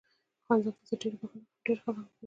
خان زمان: زه ډېره بښنه غواړم، ډېر مې خفه کړې.